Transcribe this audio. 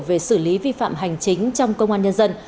về xử lý vi phạm hành chính trong công an nhân dân